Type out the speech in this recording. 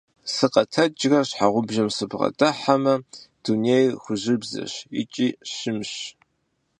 Сыкъэтэджрэ щхьэгъубжэм сыбгъэдыхьэмэ, дунейр хужьыбзэщ икӀи щымщ.